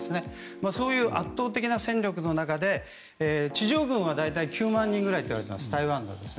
そういう圧倒的な戦力の中で地上軍は大体９万人ぐらいといわれています、台湾が。